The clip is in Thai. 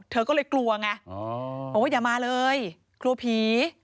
เธอก็เลยกลัวไงบอกว่าอย่ามาเลยกลัวผี